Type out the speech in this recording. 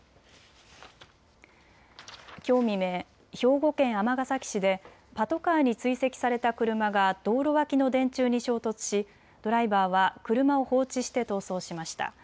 きょう未明、兵庫県尼崎市でパトカーに追跡された車が道路脇の電柱に衝突しドライバーは車を放置して逃走しました。